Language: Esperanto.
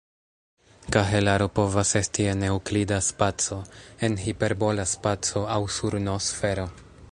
Kahelaro povas esti en eŭklida spaco, en hiperbola spaco aŭ sur "n"-sfero.